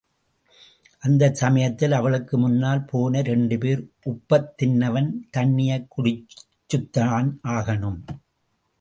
அந்தச் சமயத்தில் அவளுக்கு முன்னால் போன இரண்டுபேர், உப்பத் தின்னவன் தண்ணியக் குடிச்சுத்தான் ஆகணும்.